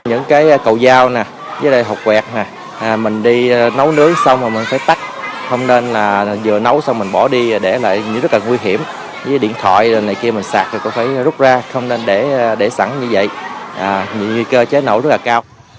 những cái cầu dao nè dưới đây hộp quẹt nè mình đi nấu nướng xong rồi mình phải tắt không nên là vừa nấu xong mình bỏ đi để lại rất là nguy hiểm với điện thoại này kia mình sạc rồi có thể rút ra không nên để sẵn như vậy nguy cơ trái nổ rất là cao